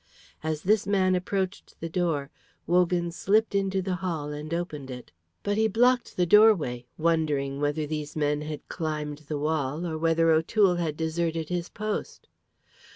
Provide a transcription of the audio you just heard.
As this man approached the door, Wogan slipped into the hall and opened it. But he blocked the doorway, wondering whether these men had climbed the wall or whether O'Toole had deserted his post.